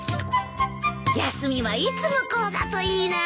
休みはいつもこうだといいな。